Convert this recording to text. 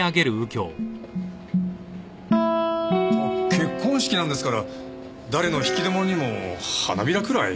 結婚式なんですから誰の引き出物にも花びらくらい。